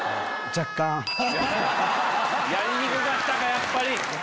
やりにくかったかやっぱり。